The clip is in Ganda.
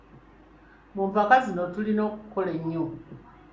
Mu mpaka zino tulina okukola ennyo.